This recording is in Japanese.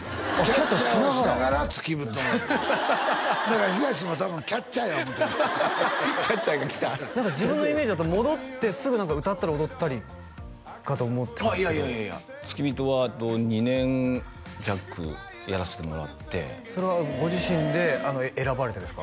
キャッチャーをしながら付き人もやるだからヒガシも多分キャッチャーや思うてるキャッチャーが来た何か自分のイメージだと戻ってすぐ歌ったり踊ったりかと思ってていやいやいやいや付き人は２年弱やらせてもらってそれはご自身で選ばれてですか？